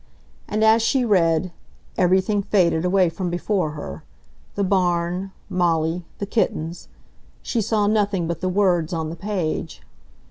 And as she read, everything faded away from before her ... the barn, Molly, the kittens ... she saw nothing but the words on the page.